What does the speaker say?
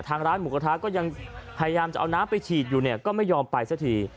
ร้านหมูกระทะก็ยังพยายามจะเอาน้ำไปฉีดอยู่เนี่ยก็ไม่ยอมไปสักที